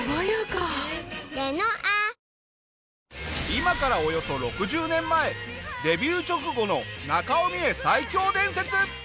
今からおよそ６０年前デビュー直後の中尾ミエ最強伝説。